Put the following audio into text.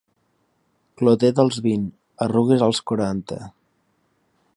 Clotet als vint, arrugues als quaranta.